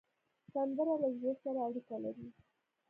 سندره له زړه سره اړیکه لري